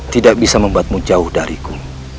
tidak bisa membuatmu jauh dariku